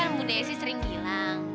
kan bunda esi sering bilang